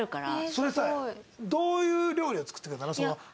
それさどういう料理を作ってくれたの？